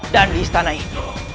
dan di istana ini